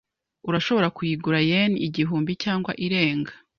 Urashobora kuyigura yen igihumbi cyangwa irenga .